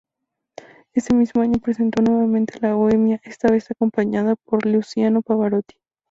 Ese mismo año, presentó nuevamente "La Bohemia", esta vez acompañada por Luciano Pavarotti.